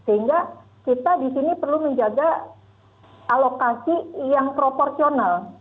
sehingga kita di sini perlu menjaga alokasi yang proporsional